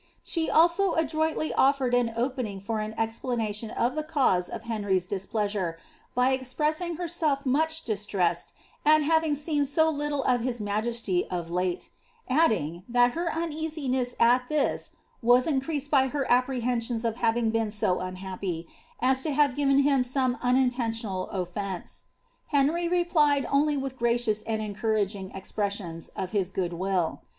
She also adroitly offered an opening for an explanation of the cause of Henry's displeasure, by expressing benself mucli distressed at having seen so little of his majesty of late, adding, that her uneasiness at this was increased by her appre liensions of having been so unhappy as to have given him some unintentional ofi^ence.' Henry replied only with gracious and encour iging expressions of his good will.